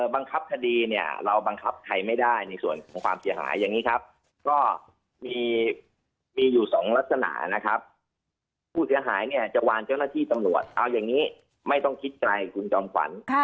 บังคับคดีเนี่ยเราบังคับใครไม่ได้ในส่วนของความเสียหายอย่างนี้ครับก็มีอยู่สองลักษณะนะครับผู้เสียหายเนี่ยจะวานเจ้าหน้าที่ตำรวจเอาอย่างนี้ไม่ต้องคิดไกลคุณจอมขวัญ